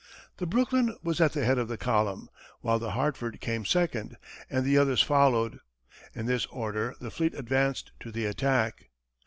The Brooklyn was at the head of the column, while the Hartford came second, and the others followed. In this order, the fleet advanced to the attack.